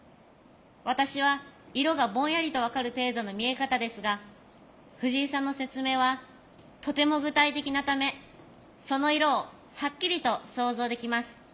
私は色がぼんやりと分かる程度の見え方ですが藤井さんの説明はとても具体的なためその色をはっきりと想像できます。